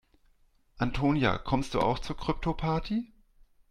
Antonia, kommst du auch zur Kryptoparty?